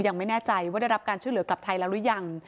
ยังไม่แน่ใจว่าได้รับการช่วยเหลือกลับไทยแล้วหรือยัง